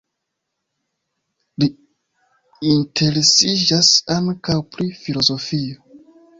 Li interesiĝas ankaŭ pri filozofio.